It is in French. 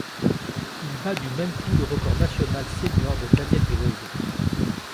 Il bat du même coup le record national senior de Daniel Grueso.